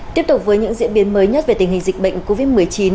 tiếp tục với những diễn biến mới nhất về tình hình dịch bệnh covid một mươi chín